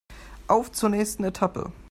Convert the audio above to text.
Auf zur nächsten Etappe!